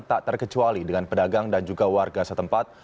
tak terkecuali dengan pedagang dan juga warga setempat